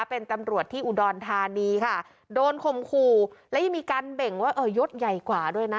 เป็นตำรวจที่อุดรธานีค่ะโดนข่มขู่และยังมีการเบ่งว่าเออยศใหญ่กว่าด้วยนะ